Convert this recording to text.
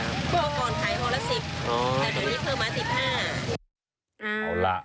เอาละ